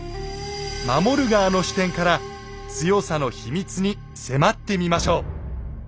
守る側の視点から強さの秘密に迫ってみましょう。